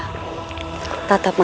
tidak ada lepa